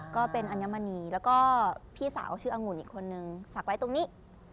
ก็เป็นอัญมณีแล้วก็พี่สาวชื่อองุ่นอีกคนนึงสักไว้ตรงนี้